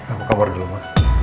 apa kabar dulu ma